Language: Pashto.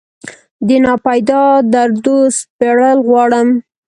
دناپیدا دردو سپړل غواړم